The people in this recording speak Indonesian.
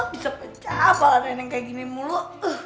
bisa pecah pak nenek kayak gini mulu